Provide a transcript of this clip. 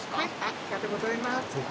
ありがとうございます。